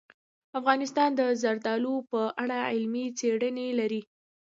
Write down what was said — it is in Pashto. افغانستان د زردالو په اړه علمي څېړنې لري.